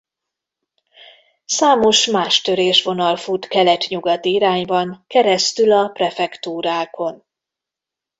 Számos más törésvonal fut kelet-nyugati irányban keresztül a prefektúrákon.